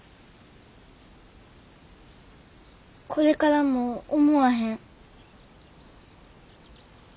これからも思わへん。